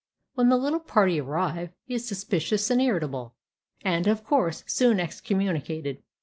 When the little party arrive, he is suspicious and irritable, and, of course, soon excommunicated.